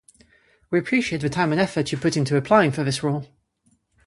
We appreciate the time and effort you put into applying for this role.